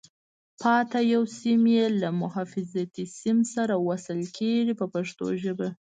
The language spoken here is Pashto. پاتې یو سیم یې له حفاظتي سیم سره وصل کېږي په پښتو ژبه.